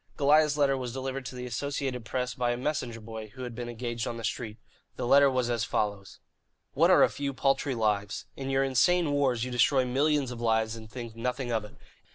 Goliah's letter was delivered to the Associated Press by a messenger boy who had been engaged on the street. The letter was as follows: "What are a few paltry lives? In your insane wars you destroy millions of lives and think nothing of it.